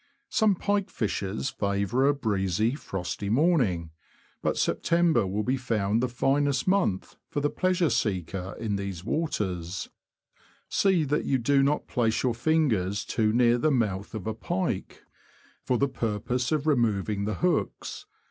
Some pike fishers favour a breezy, frosty morning; but September will be found the finest month for the pleasure seeker in these waters. See that you do not place your fingers too near the mouth of a pike, for the purpose of removing the hooks, 296 THE LAND OF THE BROADS.